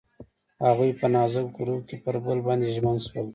هغوی په نازک غروب کې پر بل باندې ژمن شول.